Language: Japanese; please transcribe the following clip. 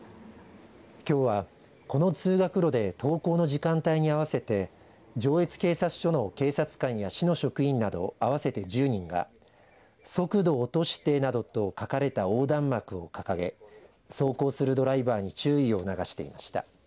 きょうは、この通学路で登校の時間帯に合わせて上越警察署の警察官や市の職員など合わせて１０人が速度落としてなどと書かれた横断幕を掲げ走行するドライバーに注意を促していました。